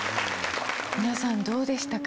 皆さんどうでしたか？